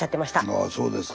ああそうですか。